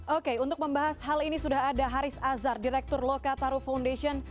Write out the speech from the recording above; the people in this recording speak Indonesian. oke untuk membahas hal ini sudah ada haris azhar direktur lokataru foundation